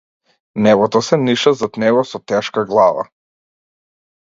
Небото се ниша зад него со тешка глава.